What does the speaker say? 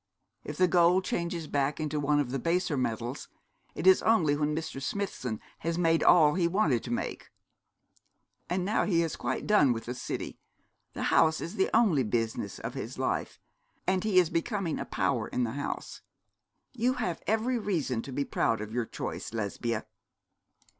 If the gold changes back into one of the baser metals, it is only when Mr. Smithson has made all he wanted to make. And now he has quite done with the City. The House is the only business of his life; and he is becoming a power in the House. You have every reason to be proud of your choice, Lesbia.'